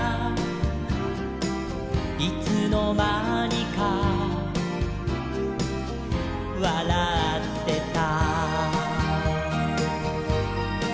「いつのまにかわらってた」